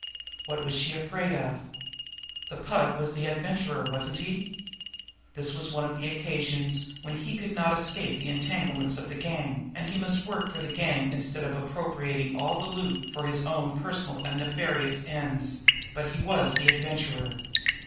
What was she afraid of? The Pug was the Adventurer, wasn't he? This was one of the occasions when he could not escape the entanglements of the gang, and must work for the gang instead of appropriating all the loot for his own personal and nefarious ends; but he was the Adventurer.